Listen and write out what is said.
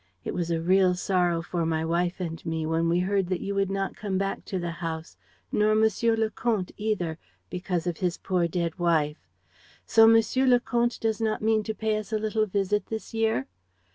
It was a real sorrow for my wife and me when we heard that you would not come back to the house ... nor Monsieur le Comte either, because of his poor dead wife. So Monsieur le Comte does not mean to pay us a little visit this year?"